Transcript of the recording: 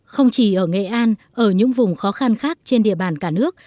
không chỉ ở nghệ an ở những vùng khó khăn khác trên địa bàn cả nước